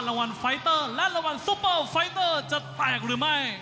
รางวัลไฟเตอร์และรางวัลซูเปอร์ไฟเตอร์จะแตกหรือไม่